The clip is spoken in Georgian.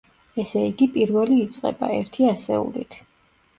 ესე იგი, პირველი იწყება, ერთი ასეულით.